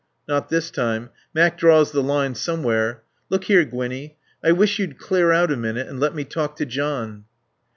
"Not this time. Mac draws the line somewhere.... Look here, Gwinnie, I wish you'd clear out a minute and let me talk to John."